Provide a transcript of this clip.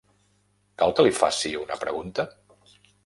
Cal que li faci una pregunta?